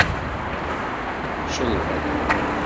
Čelbeḍ.